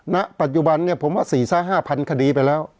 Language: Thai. ณปัจจุบันเนี่ยผมว่า๔๕๐๐คดีไปแล้ว